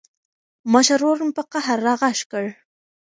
مشر ورور مې په قهر راغږ کړ.